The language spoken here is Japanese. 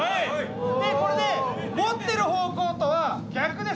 でこれで持ってる方向とは逆です。